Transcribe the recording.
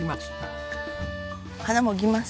花もぎます